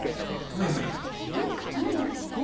何やるんだっけ。